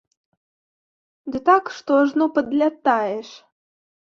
Ды так, што ажно падлятаеш!